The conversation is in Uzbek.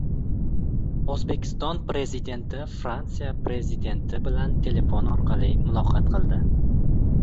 O‘zbekiston Prezidenti Fransiya Prezidenti bilan telefon orqali muloqot qildi